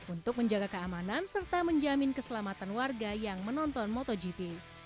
untuk menjaga keamanan serta menjamin keselamatan warga yang menonton motogp